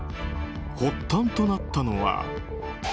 発端となったのは。